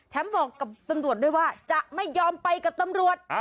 บอกกับตำรวจด้วยว่าจะไม่ยอมไปกับตำรวจ